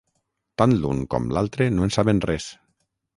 Tant l'un com l'altre no en saben res.